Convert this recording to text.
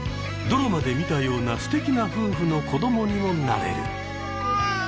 ドラマで見たようなすてきな夫婦の子どもにもなれる。